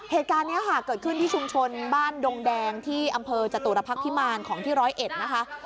เหตุการณ์นี้ค่ะเกิดขึ้นที่ชุมชนบ้านดงแดงที่อำเภอจตุรพักษ์พิมารของที่ร้อยเอ็ดนะคะ